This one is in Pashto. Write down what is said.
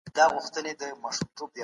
واقعي پوښتنې د عیني حالاتو په اړه دي.